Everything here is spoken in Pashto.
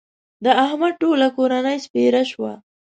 د احمد ټوله کورنۍ سپېره شوه.